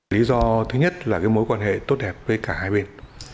lý do thứ nhất là cái mối quan hệ tốt đẹp với cả hai bên